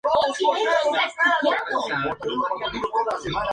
Este es su primer álbum grabado en el extranjero, principalmente en los Estados Unidos.